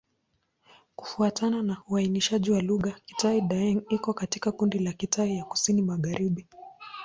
Kufuatana na uainishaji wa lugha, Kitai-Daeng iko katika kundi la Kitai ya Kusini-Magharibi.